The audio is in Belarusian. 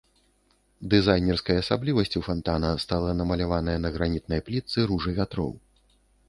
Дызайнерскай асаблівасцю фантана стала намаляваная на гранітнай плітцы ружа вятроў.